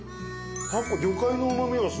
タコ魚介のうま味がすごいです。